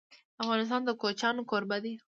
افغانستان د کوچیانو کوربه دی..